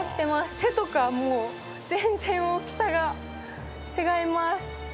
手とかもう、全然大きさが違います。